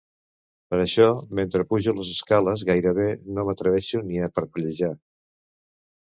Per això mentre pujo les escales gairebé no m'atreveixo ni a parpellejar.